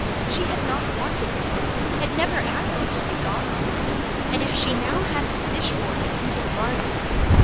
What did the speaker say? She had not wanted Bob, had never asked him to be 'gone' on her, and if she had now to fish for him, into the bargain...